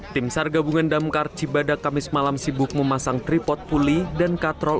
tim sar gabungan damkar cibadak kamis malam sibuk memasang tripot puli dan katrol